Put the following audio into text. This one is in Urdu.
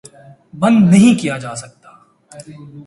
بند نہیں کیا جا سکتا